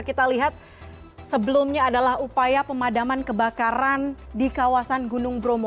kita lihat sebelumnya adalah upaya pemadaman kebakaran di kawasan gunung bromo